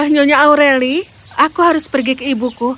nyonya aureli aku harus pergi ke ibuku